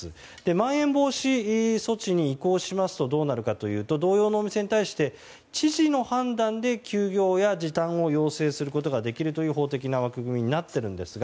まん延防止措置に移行しますとどうなるかというと同様のお店に対して知事の判断で休業や時短を要請することができるという法的な枠組みになっているんですが